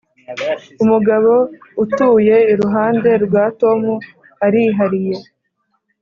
umugabo utuye iruhande rwa tom arihariye.